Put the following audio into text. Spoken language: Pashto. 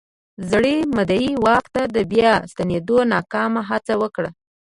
زوړ مدعي واک ته د بیا ستنېدو ناکامه هڅه وکړه.